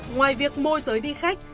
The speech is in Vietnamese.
ngoài việc môi giới đi khách